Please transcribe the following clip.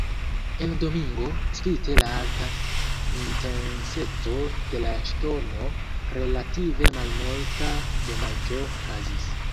En Domingo, spite la alta intenseco de la ŝtormo, relative malmulta damaĝo okazis.